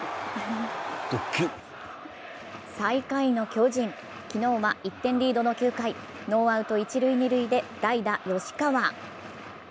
最下位の巨人、昨日は１点リードの９回、ノーアウト、一・二塁で代打・吉川。